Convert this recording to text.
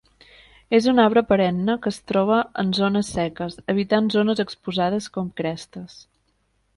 És un arbre perenne que es troba en zones seques, evitant zones exposades com crestes.